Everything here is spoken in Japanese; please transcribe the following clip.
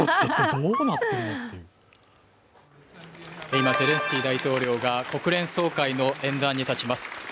今、ゼレンスキー大統領が国連総会の演壇に立ちます。